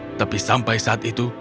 tetapi sampai saat itu